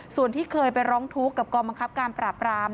ส่วนที่เคยไปร้องทุกข์กับกองบังคับการปราบราม